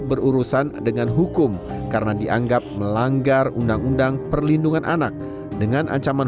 berurusan dengan hukum karena dianggap melanggar undang undang perlindungan anak dengan ancaman